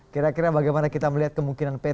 kira kira bagaimana kita melihat kemungkinan peta